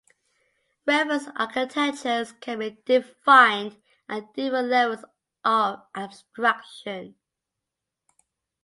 Reference architectures can be defined at different levels of abstraction.